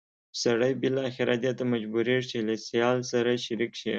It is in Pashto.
سړی بالاخره دې ته مجبورېږي چې له سیال سره شریک شي.